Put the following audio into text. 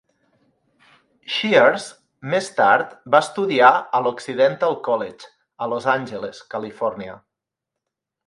Shears, més tard, va estudiar a l'Occidental College a Los Angeles, Califòrnia.